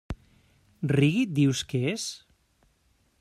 Reggae, dius que és?